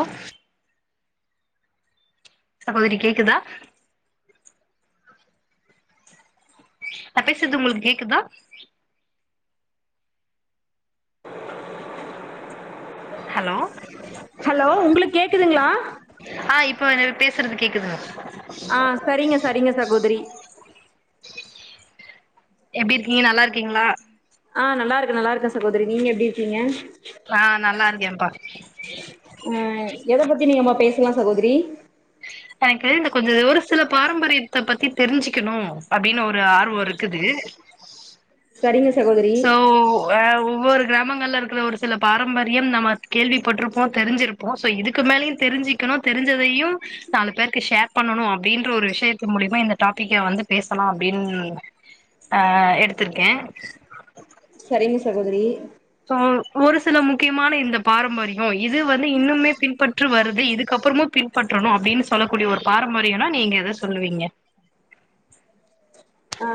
Of சகோதரி கேக்குதா அ பேசுறது உங்ளுக்கு கேக்குதா ஹலோ ஹலோ உங்ளுக்கு கேக்குதுங்ளா ஆ இப்போ என்ன பேசுறது கேக்குதுதா ஆ சரிங்க சரிங்க சாகோதரி எப்டி இருக்கீங்க நல்லா இருக்கீங்ளா ஆ நல்லா இருக்ற நல்லா இருக்கே சகோதரி நீங்க எப்டி இருக்கீங்க ஆ நல்லா இருக்கேபா அ எத பத்தி நீங்கமா பேசலா சகோதரி எனக்கு இந்த கொஞ்ச ஒரு சில பாரம்பரியத்த பத்தி தெரிஞ்சிக்குணு அப்டின்னு ஒரு ஆர்வோ இருக்குது சரிங்க சகோதரி அவ் ஒவ்வொரு கிராமங்கள்ல இருக்கிற ஒரு சில பாரம்பரியம் நம்ம கேள்விப்பட்டிருப்போ தெரிஞ்சிரு மோச இதுக்கு மேலயும் தெரிஞ்சுக்கணு தெரிஞ்சதையு நாலு பேருக்கு ஷேர் பண்ணணு அப்டின்ற ஒரு விஷயத்த மூலிமா இந்த டாபிக்க வந்து பேசலா அப்டின் ஆ எடுத்திருக்கே சரிங்க சகோதரி சோ ஒரு சில முக்கியமான இந்த பாரம்பரி யோ இது வந்து இன்னுமே பின்பற்று வருது இதுக்கப்புறமும் பின் பற்றணு அப்டின்னு சொல்லக்கூடிய ஒரு பாரம்பரியனா நீங்க எத சொல்லுவீங்க அ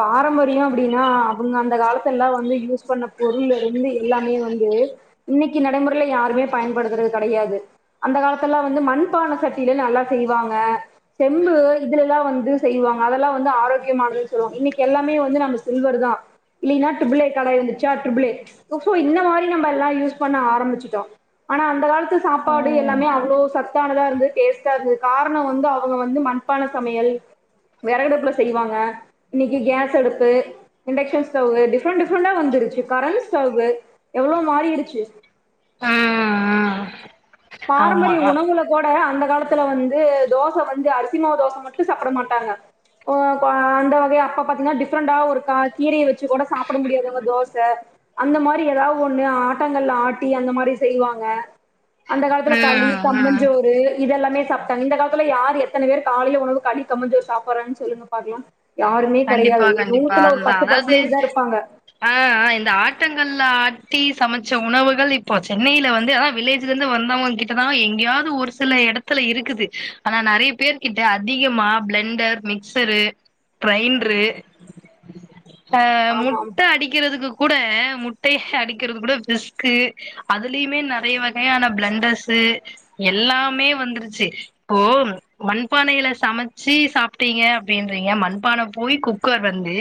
பாரம்பரியம் அப்டின்னா அவங்க அந்த காலத்த எல்லா வந்து யூஸ் சொன்னப் பொருள் இருந்து எல்லாமே வந்து இன்னைக்கு நடைமுறையில யாருமே பயன்படுத்துறது கெடையாது அந்த காலத்தேல்லா வந்து மண்பான சட்டிலே நல்லா செய்வாங்க செம்பு இதுலல்லா வந்து செய்வாங்க அதெல்லா வந்து ஆரோக் கியமானது சொல்லுவோ இன்னைக்கி எல்லாமே வந்து நம்ம சில்வர் தா இல்லைன்னா ட்ரிபிளே கட இருந்துச்சா ட்ரிபிளே சோ இந்த மாதிரி நம்ம எல்லா யூஸ் பண்ண ஆரம்பிச்சிட்டோ ஆனா அந்த காலத்து சாப்பாடு எல்லாமே ஆ அவ்ளோ சத்தானதா இருந்து டேஸ்ட்டா இருந்தது காரணம் வந்து அவங்க வந்து மண் சத்தான சமையல் விறகு அடுப்புல செய்வாங்க இன்னைக்கு கேஸ் அடுப்பு இண்டக்ஷன் ஸ்டவ்வு டிஃப்ரெண்ட் டிஃரண்டா வந்துருச்சி கரண்ட் ஸ்டவ் எவ்ளோ மாறிடுச்சி ஆ ஆமா பாரம்பரிய அ உணவுல அதோட அந்த காலத்துல வந்து தோச வந்து அரிசிமாவு தோச மட்டு சாப்ட மாட்டாங்க ஒ க அந்த வகைய அப்ப பாத்தீங்ன்னா டிஃப்ரெண்டா ஒருக்கா கீரைய வெச்சு கூட சாப்பிட முடியாதுவுங்க தோச அந்த மாரி எதாவ் ஒண்ணு ஆட்டங்கல்ல ஆட்டி அந்த மாரி செய்வாங்க அந்த காலத்துல களி, ம் ம் கம்மஞ்சோறு இதெல்லாமே சாப்ட்டாங்க இந்த காலத்துல யாரு எத்தன பேரு காலைல உணவு களி கம்மஞ்சோறு சாப்ற்றே சொல்லுங்க பாக்கலா யாருமே கண்டிப்பா கெடையாது ஒரு கண்டிப்பா நூத்துல ஒரு அதுதா பத்து அதாவது பர்சன்டேஜ்தா இருப்பாங்க. ஆ இந்த ஆட்டங்கல் ஆட்டி சமச்ச உணவுகள் இப்போ சென்னையில வந்து அத வில்லேஜ்லெந்து வந்தவங்க கிட் டதா எங்கேயாவ்து ஒரு சில எடத்துல இருக்குது ஆனா நெறைய பேர் கிட்ட அதிகமா பிலெண்டர் மி க்சரு க்ரைண்ரு அ ஆமா முட்ட அடிக்கிறதுக்கு கூட முட்டைய அடிக்கிறது கூட டிஸ்கு அதுலியுமே நெறைய வ கையான ப்லெண்டர்ஸு எல்லாமே வந்துருச்சு இப்போ மண்பானையில சமச்சு சாப்ட்டீங்க அப்டின்றீங்க மண் பான போய் குக்கர் வந்து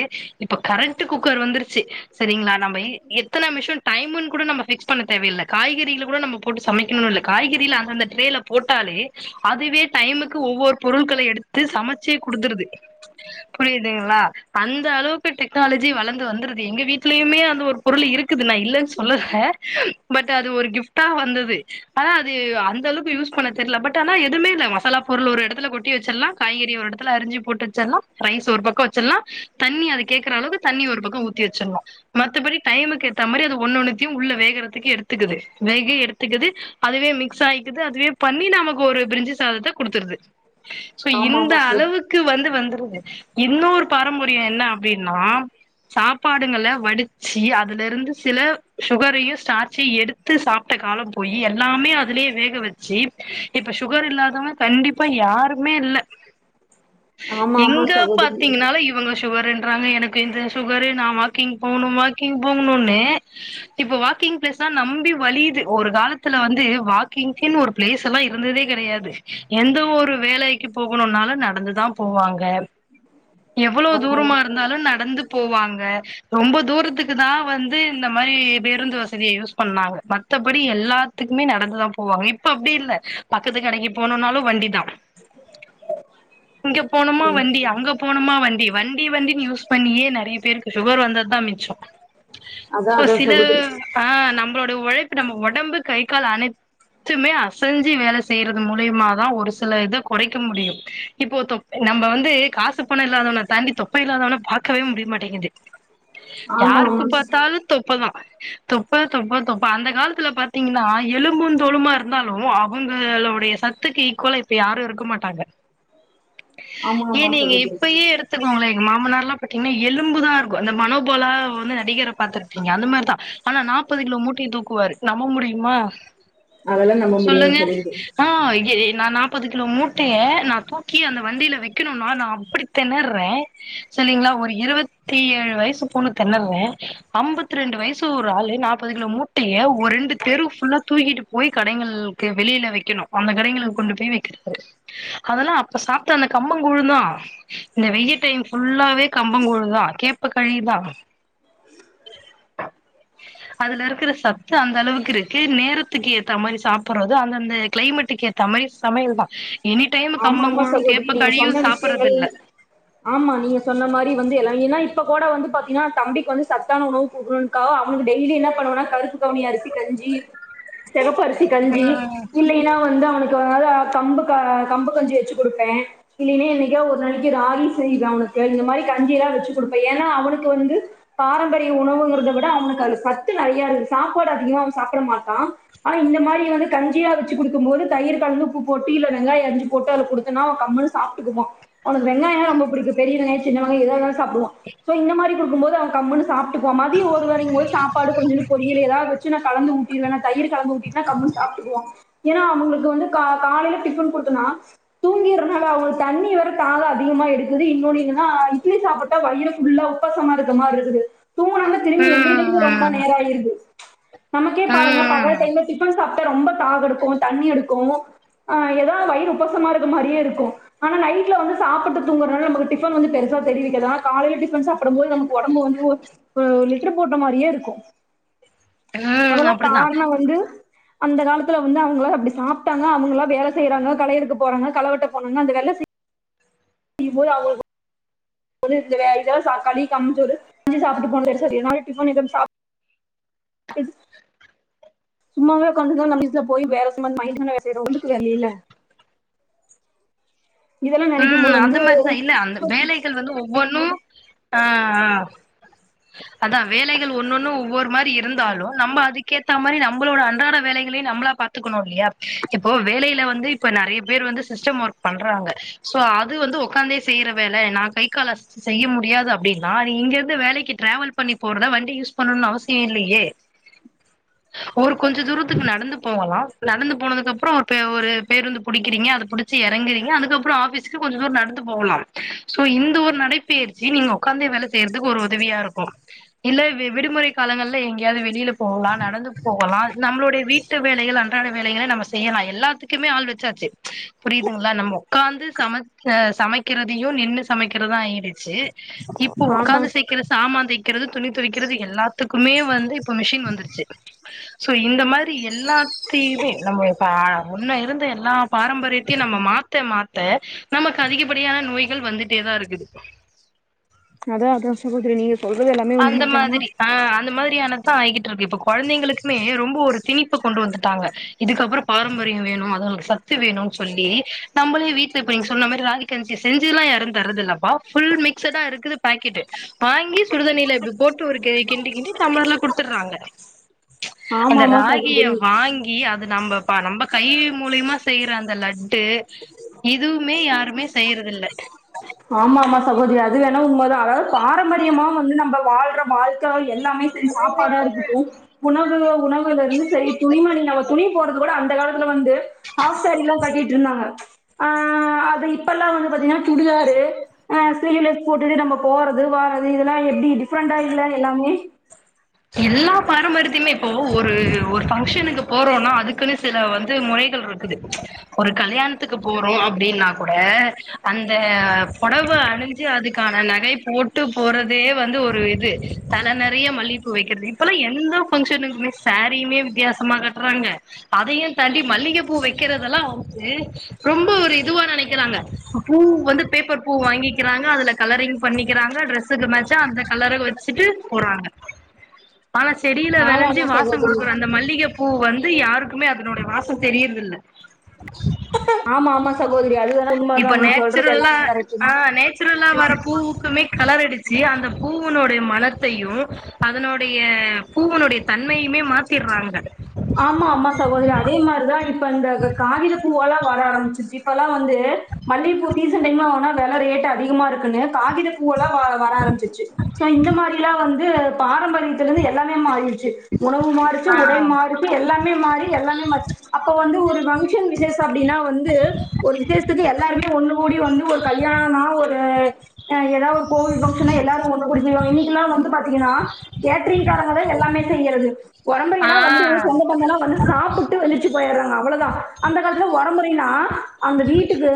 இப்ப கரண்ட்டு குக்கர் வந்துருச்சு செரிங்களா நம்ப எத்தன நமிஷோ டைமுன் கூட நம்ம ஃபிக்ஸ் பண்ண தேவையில்லை காய்கறியில கூட நம்ம போட்டு சமைக்கணுனு இல்ல காய்க றில அந்த ந்த ட்ரேல போட்டாலே அதுவே டைமுக்கு ஒவ்வொரு பொருட்களை எடுத்து சமச்சு குடுத்துருது புரியுதுங்ளா அந்த அளவுக்கு டெக்னாலஜி வள்ந்து வந்துருது எங்க வீட்லயுமே அந்த ஒரு பொருளு இருக்குதுல இல்லன் சொல்லல பட் அது ஒரு கிஃப்ட்டா வந்தது ஆனா அது அந்த அளவுக்கு யூஸ் பண்ண தெர்ல பட் ஆனா எதுமே இல்ல மசாலா பொருள் ஒரு எடத்துல கொட்டி வெச்சர்லா காய்கறி ஒரு எடத்துல அரிஞ்சி போட்டு வெச்சர்லா ரைஸ் ஒரு பக்கோ வெச்சிர்லா தண்ணி அது கேக்குற அளவுக்கு தண்ணி ஒரு பக்கோ ஊத்தி வெச்சிண்ணு மத்தபடி டைமுக்கு ஏத்த மாரி அது ஒன்னொன்த்தியு உள்ள வேகறதுக்கு எடுத்துக்குது வேக எடுத்துக்கிது அதுவே மிக்ஸ் ஆயிக்கிது அதுவே பண்ணி நமக்கொரு பிரிஞ்சு சாதத்த குடுத்துருது சோ ஆமா இந்த ஆமா சகோதரி அளவுக்கு வந்து வந்துருது இன்னொரு பாரம்பரியோ என்ன அப்டின்னா சாப்பாடுங்கல வடிச்சு அதுல இருந்து சில சுகரையு ஸ்டார்ச்சையு எடு த்து சாப்ட்ட காலம் போயி எல்லாமே அதுலியே வேக வெச்சு இப்ப சுகர் இல்லாதவங்க கண்டிப்பா யாருமே இல்ல ஆமா ஆமா எங்க சி பாத்தீங்கனாலு இவங்க சுகருன்றாங்க எனக்கு இந்த சுகரு நா வாக்கிங் போணும் வாக்கிங் போகணுனு இப்ப வாக்கிங் ப்ளேஸ்தா நம்பி வழியுது ஒரு காலத்துல வந்து வா க்கிங்கின் ஒரு ப்ளேஸல்லா இருந்ததே கெடையாது எந்த ஒரு வேலைக்கு போகணுனாலு நடந்துதா போவாங்க எவ்வளோ ஆமா தூரமா ஆமா இருந்தாலு நடந்து போவாங்க ரொம்ப தூரத்துக்குதா வந்து இந்த மாரி பேருந்து வசதிய யூஸ் பண்ணாங்க மத் தபடி எல்லாத்துக்குமே நடந்துதா போவாங்க இப்ப அப்டி இல்ல பக்கத்து கடைக்கு போணுனாலு வண்டிதா இங்க போணுமா ம். வண்டி அங்க போணுமா வண்டி வண்டி வண்டின் யூஸ் பண்ணியே நெறைய பேருக்கு சுகர் வந்தத்தா மிச்சோ அதா சோ அதா சில சகோதரி ஆ நம்பளோட ஒழைப்பு நம்ம ஒடம்பு கை கால் அனை த்துமே அசஞ்சி வேல செய்யறது மூலயமாதா ஒரு சில இத குறைக்க முடியு இப்போ தொப் நம்ப வந்து காசு பணோ இல்லாதவன தாண்டி தொப்ப இல்லாதவன பாக்கவே முடிய மாட்டேங்கிது ஆமா யாருக்கு ஆமா பாத்தாலு தொப்பதா தொப்ப தொப்ப தொப்ப அந்த காலத்துல பாத்தீங்கன்னா எலும்புந் தோலுமா இருந்தாலு அவங்களோடைய ச தத்து ஈக்குவலா இப்ப யாரு இருக்க மாட்டாங்க ஆமா ஏ ஆமா நீங்க சகோதரி இப்பயே எடுத் துக்கோங்ளே எங்க மாமனார்லா பாத்தீங்ன்னா எலும்புதா இருக்கு அந்த மனோபலா வந்து நடிகர பாத்துர்ப்பீங்க அந்த மாரிதா ஆனா நாப்பது கிலோ மூட்டைய தூக்குவாரு நம்ப முடியுமா அதெல்லா நம்ப முடியாது சொல்லுங்க சகோதரி ஆ எ எ நா நாப்பது கிலோ மூட்டைய நா தூக்கி அந்த வண்டியில வெ வக்கணு நா அப்டி தெணறேன் சரிங்களா ஒரு இருவத்தி ஏழு வயசு பொண்ணு தெணறேன் ஐம்பத்தி ரெண்டு வயசு ஒரு ஆள் நா முப்பது கிலோ மூட்டையை ஒரு ரெண்டு தெரு புல்லா தூக்கிட்டு போய் கடைகளுக்கு வெளியில வைக்கணு அந்த கடைங்கள கொண்டு போய் வைக்கிறாரு அதெல்லா அப்ப சாப்ட்ட அந்த கம்மகூழுதா இந்த வெயில் டைம் ஃபுல்லாவே கம்பம்ங்கூழுதா கேப்ப களிதா [inaudible] அதுல இருக்கிற சத்து அந்த அளவுக்கு இருக்கு நேரத்துக்கு ஏத்த மாரி சாப்றது அந்த அந்த கெளைமேட்டுக்கு ஏ சமய சமையல்தான் இனி ஆமா ஆமா சகோதரி நீங்க சொன்ன விஷயங்கள் இல்ல ஆமா நீங்க சொன்ன மாரி வந்து எல்லா ஏன்னா இப்ப கூட வந்து பாத்தீங்கன்னா தம்பிக்கு வந்து சத்தான உணவு புக [unintelligible] அவனு டெய்லி என்ன பண்ணுவேனா கருப்பு கவுனி அரிசி கஞ்சி [inaudible] செவப்பரிசி கஞ்சி ம் இல்லைன்னா வந்து அவனுக்கு அதாவ கம்பு க கம்பு கொஞ்சோ வச்சு குடுப்பே இல்லைன்னே என்னைக்கோ ஒரு நாளைக்கு ராகி செய்வே அவனுக்கு இந்த மாரி கஞ்சி எல்லா வச்சு குடுப்பேன் ஏன்னா அவனுக்கு வந்து பாரம்பரிய உணவுங்கிறத விட அவனுக்கு அது சத்து நெறைய இருக்கு சாப்பாடு அதிகமா அவன் சாப்ட மாட்டா ஆனா இந்த மாரி வந்து கஞ்சியா வச்சு குடுக்கும் போது தயிர் கலந்துப்பு போட்டு இல்ல வெங்காய அரிஞ் போட்டு அது குடுத்தனா அவ கம்ன்னு சாப்ட்டுக்குருவா அவனுக்கு வெங்காயம்ல்லா ரொம்ப புடிக்கும் பெரிய வெங்காய சின்ன வெங்காய எதா இருந்தாலு சாப்டுவா சோ இந்த மாரி குடுக்கு போது அவங்க கம்ன்னு சாப்ட்டுக்குவா மதிய ஒரு வேலைக்கு போது சாப்பாடு கொஞ்ச பொரியலு ஏதாவது சின்ன கலந்து ஊட்டிருவேன்னா தயிர் கலந்து ஊட்டிருவேனா கம்னு சாப்ட்டுக்குவா ஏன்னா அவங்களுக்கு வந்து கா காலையில டிஃபன் குடுத்தனா தூங்கிறனு இல்லஅவங்களுக்கு தண்ணி வேற தாகம் அதிகமா எடுக்குது இன்னொன்னு என்னன்னா இட்லி சாப்டு வயிறு புல்லா உப்பாசமா இருக்க மாரி இருக்குது தூங்குணான வந்து திரும்பி எந்திரிக்கக்கு ரொம்ப ம் நேரம் ஆயிருது நமக்கே பாருங்க ம் பகல் டைம்ல டிபன் சாப் ரொம்ப தாக எடுக்கு தண்ணி எடுக்கு அ ஏதாவது வயிறு உப்பசமா இருக்க மாரியே இருக்கு ஆனா நைட்ல வந்து சாப்ட்டு தூங்கறதுனால நமக்கு டிஃபன் வந்து பெருசா தெரிவிக்கதுனா காலையில டிஃபன் சாப்டும் போது நமக்கு ஒடம்பு வந்து இப்ப லிட்டர் போட்ட மாரியே இருக்கு ம் அதெல்லா அப்டிதா காரண வந்து அந்த காலத்துல வந்து அவங்க அப்டி சாப்ட்டாங்க அவங்களாம் வேலை செய்யறாங்க கலையெடுக்க போறாங்க கலவெட்ட போனாங்க அந்த வேலை நீ போய் அவங்களுக்கு இந்த இத சாக்காளி கம்புச்சோறு செஞ்சு சாப்ட்டு போணு சரின டிஃபன் எதா சாப் சும்மாவே உக்காந்து [unintelligible] சரி [inaudible] வேல இல்ல இதெல்லாம் நினைக்கும் போது ம் அந்த வந்து மாரிதா இல்ல அந்த வேலைகள் வந்து ஒவ்வொன்னும் அ அதா வேலைகள் ஒன் ஒன்னு ஒவ்வொரு மாரி இருந்தாலு நம்ம அதுக்கேத்த மாரி நம்மளோட அன்றாட வேலைகளையு நம்மள கத்துக்கணு இல்லையா இப்போ வேலையில வந்து இப்ப நெறைய பேர் வந்து சிஸ்டம் ஒர்க் பண்றாங்க சோ அது வந்து ஒக்காந்தே செய்யற வேலை நான் கை கால செய்ய முடியாது அப்டின்னா அது இங்கிருந்து வேலைக்கு டிராவல் பண்ணி போறதா வண்டி யூஸ் பண்ணணும்னு அவசியம் இல்லையே ஒரு கொஞ்ச தூரத்துக்கு நடந்து போவலா நடந்து போனதுக்கு அப்றோ ஒரு ஒரு பேருந்து பிடிக்கிறீங்க அது பிடிச்சி இறங்குறீங்க அதுக்கப்றோ [unintelligible] கொஞ்ச தூர நடந்து போகலாம் சோ இந்த ஒரு நடைபயிற்சி நீங்க ஒக்காந்தே வேலை செய்யறதுக்கு ஒரு உதவியா இருக்கு இல்ல விடுமுறை காலங்கள்ல எங்கேயாவது வெளியில போகலா நடந்து போகலா நம்மளோடைய வீட வீட்டு வேலைகள் அன்றாட வேலைகள நம்ம செய்யலா எல்லாத்துக்குமே ஆள் வச்சாச்சு புரியுதுங்களா நம்ம ஒக்காந்து சமச்ச சமக்கிறதயு நின்று சமக்கிறதா ஆயிருச்சு இப்போ ஆமா உக்காந்து சீக்கிற சாமா தேக்கிறது துணி துவிக்கிறது எல்லாத்துக்குமே வந்து இப்ப மிஷின் வந்துருச்சு சோ இந்த மாத்ரி எல்லா சீமே நம்ம இப்ப உன்ன இருந்த எல்லா பாரம்பரியத்யு நம்ப மாத்த மாத் த நமக்கு அதிகப்படியான நோய்கள் வந்துட்டே தா இருக்குது அதா அதா சகோதுரி நீங்க சொல்றது எல்லாமே அந்த உண்மைதான் மாதுரி அ அந்த மாத் டி ஆனதா ஆய்கிட்ருக்கு இப்ப கொழந்தைங்களுக்குமே ரொம்ப ஒரு திணிப்ப கொண்டு வந்துட்டாங்க இதுக்கு பாரம்பரிய வேணு அதுகளுக்கு சத்து வேணும் சொல்லி நம்பளே வீட்ல இப்ப நீங்க சொன்ன மாரி ராகி கஞ்சி செஞ்சுலா யாரு தரது இல்லப்பா ஃபுல் மிக்ஸதா இருக்குது பாக்கெட்டு வாங்கி சுடுதண்ணில இப்டி போட்டு ஒரு கிண்டி கிண்டி டம்ளர்ல குடுத்துட்றாங்க ஆமா அந்த ஆமா ராகிய சகோதரி வாங் கி அது நம்ப ப நம்ப கை மூலயமா செய்யிற அந்த லட்டு இதுவுமே யாருமே செய்யற்துல்ல ஆம் ஆமா சகோத்ரி அது வேனா உண்மதா அதாவுது பாரம்பரியமாவு வந்து நம்ப வாழ்ற வாழ்க்க எல்லாமே செரி சாப்பாடா இருக்குட்டு உணவு உணவுல இருந்து செரி துணிமனி நம்ம துணி போட்றது கூட அந்த கால துல வந்து ஹாஃப் சாரிலா கட்டிட்ருந்தாங்க ஆ அது இப்பல்லா வந்து பாத்தீங்ன்னா சுடுதா அ ஸ்லீவ்லெஸ் போட்டுட்டு நம்ப போறது வாறது இதல்லா எப்டி டிஃப்ரெண்டா இல்ல எல்லாமே எல்லா பாரம்பரித்திமே இப்போ ஒரு ஒரு ஃபங்க்ஷனுக்கு போறோனா அதுக்குனு சில வந்து முறைகள்ருக் குது ஒரு கல்யாணத்துக்கு போறோ அப்டின்னா கூட அந்த பொடவ அணிஞ் சி அதுக்கான நகை போட்டு போறதே வந்து ஒரு இது தல நெறைய மல்லி பூ வெக்கற்து இப்பல்லா எந்த ஃபங்க்ஷனுக்குமே சாரீயுமே வித்யாசமா கட்றாங்க அதயே தாண்டி மல்லிகப் பூ வெக்கிறதல்லா வந்து ரொம்ப ஒரு இதுவா நெனைக்கிறாங்க பூ வந்து பேப்பர் பூ வாங்கிக்கிறாங்க அதுல கலரிங் பண்ணிக்கிறாங்க டிரெஸ் துக்கு மேச்சா அந்த கலர வச்சுட்டு போறாங்க ஆனா செடில ஆமா வெளஞ்சி ஆமா வாசங் சகோதரி குடுக்குற அந்த மல்லிக பூ வந்து யாருக்குமே அதனுடைய வாசந் தெரியற்துல்ல ஆமா ஆமா சகோதரி அது வேணா இப்ப உண்மைதான் நீ சொல்றது நேச்சுரல்லா எல்லாமே கரெக்ட் அ நேச் துரல்லா வர பூவுக்குமே கலர் அடிச்சு அந்த பூவுனுடைய மனத்தையு அதனோடைய பூவனுடைய தன்மையுமே மாத்திற்றாங்க ஆமா ஆமா சகோத்ரி அதே மாரிதா இப்ப இந்த க காகித பூவல்லா வர ஆரமிச்ருச்சு இப்ப லா வந்து மல்லிக பூ சீசன் டைம்லா வாங்னா வெல ரேட் அதிகமா இருக்குனு காகித பூவல்லா வா வர ஆரமிச்ருச்சி சோ இந்த மாரிலா வந் பாரம்பரியத்துலருந்து எல்லாமே மாறிற்ச்சு உணவு மாறிச்சு உடை ஆ மாறு து எல்லாமே மாறி எல்லாமே மாற்ச் அப்ப வந்து ஒரு வங்ஷன் விசேஷ அப்டினா வந்து ஒரு விசேஸ்த்துக்கு எல்லாருமே ஒன்னு கூடி வந்து ஒரு கல்யாணனா ஒரு அ எதாஒரு கோவில் ஃபங்க்ஷனா எல்லாரு ஒன்னு கூடி செய்வாங்க இன்னிக்கில்லா வந்து பாத்தீங்கனா கேட்ரிங் காரங்கதா எல்லாமே செய்யறது ஒறம்பொறையல்லா வந்து ஆ பந்தல்லா வந்து சாப்புட்டு வெந்துர்ச்சி போயறாங்க அவ்வளதா அந்த காலத்துல ஒறமொறைன்னா அந்த வீட்டுக்கு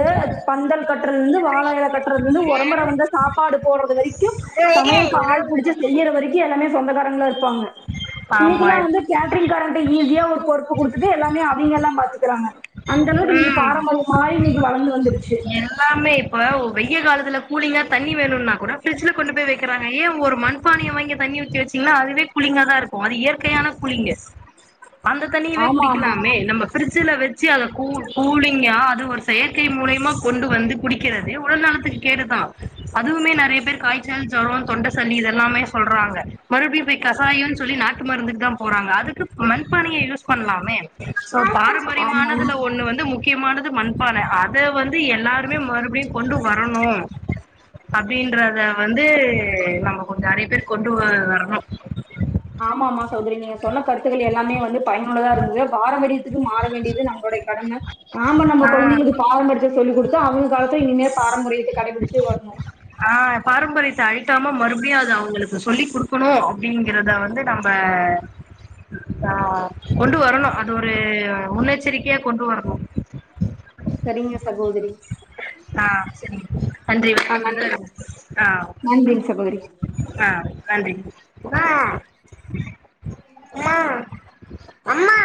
பந்தல் கட்டுறதுலந்து வாழ எல கட்றதுலந்து ஒறம்பொற வந்தா சாப்பாடு போட்றது வரி க்கு சமயலுக்கு ஆள் புடுச்சு செய்யற வரிக்கு எல்லாமே சொந்தகாரங்ளா இருப்பாங்க ஆமா இன்னிக்கில்லா வந்து கேட்டரிங் காரங் ஈஸியா அவுருக் வொர்க் குடுத்துட்டு எல்லாமே அவிங் எல்லா பாத்துக்குறாங்க அந்த அளவுக்கு இன்னக்கி ம் பாரம்பரியமா இன்னக்கி வளந்து வந்துருச்சி எல்லாமே இப்ப வெயில் காலத்துல கூலிங்கா தண்ணி வேணுனா கூட பிரிட்ஜில கொண்டு போய் வக்கிறாங்க ஏ ஒரு மண் பானய வாங்கி தண்ணி ஊத்தி வச்சீங்கன்னா அதுவே கூலிங்கா தா இருக்கு அது இயற்கையான கூலிங்கு அந்த தண்ணியவே ஆமா ஆமா குடிக்கலாமே நம்ம பிரிட்ஜில வச்சி அத கூ கூலிங்கா அது ஒரு செயற்கை மூலியமா கொண்டு வந்து குடிக்கிறது உடல் நலத்துக்கு கேடுதா அதுவுமே நெறைய பேர் காய்ச்சல் ஜுரோ தொண்ட சல்லி இதெல்லாமே சொல்றாங்க மறுபடியு போய் கசாயோனு சொல்லி நாட்டு மருந்துக்கு தா போறாங்க அதுக்கு மண்பானையே யூஸ் பண்லாமே சோ பாரம்பரியமான ஆமா ஒன்னு வந்து முக்கியமானது மண்பான அத வந்து எல்லாருமே மறுபடியு கொண்டு வரணு அப்டின்றத வந்து நம்ம கொஞ்ச நெறைய பேர் கொண்டு வரணு ஆமா ஆமா சகோதரி நீங்க சொன்ன கருத்துக்கள் எல்லாமே வந்து பயனுள்ளதா இருந்தது பாரம்பரியத்துக்கு மாற வேண்டியது நம்ம ளோடைய கடம நாம நம்ம ஆ கொழந்தைங்களுக்கு பாரம்பரியத்த சொல்லி குடுத்தா அவுங்க காலத்துல இனிமே பாரம்பரியத்த கடைபிடிச்சி வரணு ஆ பாரம்பரியத்த அழிக்காம மறுபடியு அத அவுங்களுக்கு சொல்லி குடுக்கணு அப்டிங்கறத வந்து நம்ப ஆ கொண்டு வரணு அது ஒரு முன்னெச்சரிக்கையா கொண்டு வரணு சரிங்க சகோதரி ஆ சரிங்க நன்றி ஆஹ் [inaudible] இது நன்றி ஆ நன்றிங்க சகோதரி அ நன்றி அம்மா